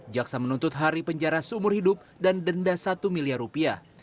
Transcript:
jaksa menuntut hari penjara seumur hidup dan denda satu miliar rupiah